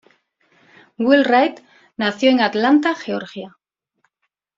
Will Wright nació en Atlanta, Georgia.